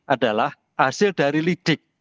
adalah hasil dari lidik